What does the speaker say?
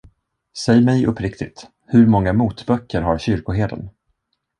Säg mig uppriktigt: Hur många motböcker har kyrkoherden?